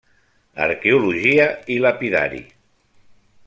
Arqueologia i lapidari.